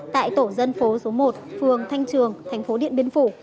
tại tổ dân phố số một phường thanh trường tp điện biên phủ